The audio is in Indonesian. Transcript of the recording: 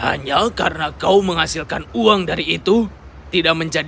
hanya karena kau menghasilkan uang dari itu kau membuatnya lebih murah